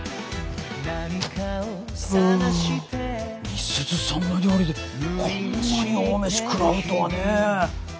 美鈴さんの料理でこんなに大飯食らうとはね。